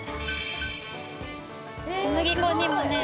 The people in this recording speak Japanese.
小麦粉にもね